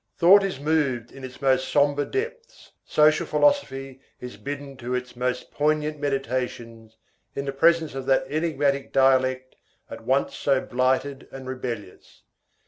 Thought is moved in its most sombre depths, social philosophy is bidden to its most poignant meditations, in the presence of that enigmatic dialect at once so blighted and rebellious.